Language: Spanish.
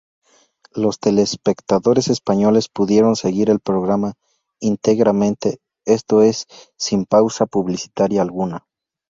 Los telespectadores españoles pudieron seguir el programa íntegramente, esto es, sin pausa publicitaria alguna.